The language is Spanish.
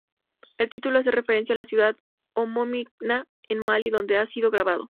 El título hace referencia a la ciudad homónima en Mali donde ha sido grabado.